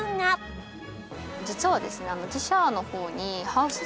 実はですね